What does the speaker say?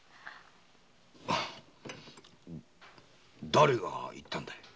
だれが言ったんだ？